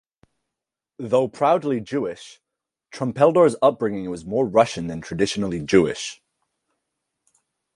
Though proudly Jewish, Trumpeldor's upbringing was more Russian than traditionally Jewish.